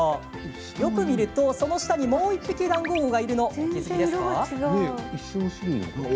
よく見ると、その下にもう１匹ダンゴウオがいるのお気付きですか？